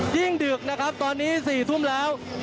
ดึกนะครับตอนนี้๔ทุ่มแล้ว